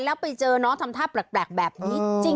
แล้วไปเจอน้องทำท่าแปลกแบบนี้จริง